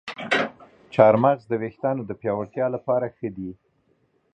چارمغز د ویښتانو د پیاوړتیا لپاره ښه دی.